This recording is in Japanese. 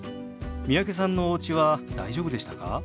三宅さんのおうちは大丈夫でしたか？